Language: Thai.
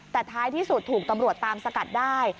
แต่ท้ายที่สุดถูกตำรวจตามสกัดได้